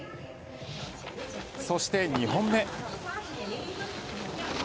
そして、２本目。